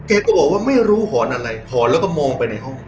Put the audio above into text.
แกก็บอกว่าไม่รู้หอนอะไรหอนแล้วก็มองไปในห้อง